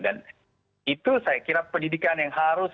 dan itu saya kira pendidikan yang harus